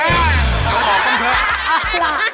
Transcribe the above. อย่าบอกต้องเท้า